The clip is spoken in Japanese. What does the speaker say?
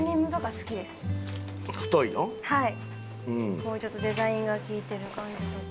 こうちょっとデザインが効いてる感じとか。